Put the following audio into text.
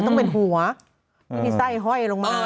ต้องเป็นหัวไม่มีไส้ห้อยลงมา